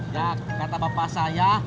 jak kata bapak saya